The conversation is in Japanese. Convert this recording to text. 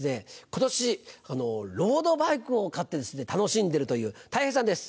今年ロードバイクを買ってですね楽しんでるというたい平さんです。